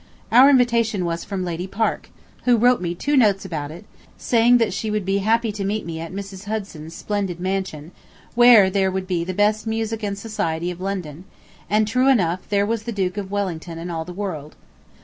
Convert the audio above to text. Our invitation was from Lady Parke, who wrote me two notes about it, saying that she would be happy to meet me at Mrs. Hudson's splendid mansion, where would be the best music and society of London; and, true enough, there was the Duke of Wellington and all the world.